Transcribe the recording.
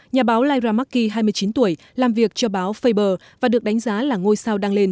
nhà báo lyra mckee hai mươi chín tuổi làm việc cho báo faber và được đánh giá là ngôi sao đăng lên